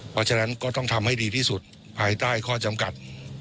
เพราะฉะนั้นก็ต้องทำให้ดีที่สุดภายใต้ข้อจำกัด